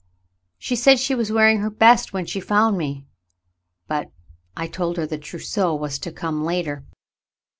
She said she was wearing her best when she found me and — but — I told her the trousseau was to come later."